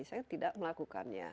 saya tidak melakukannya